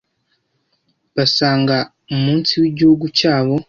basanga umunsi wigihugu cyabo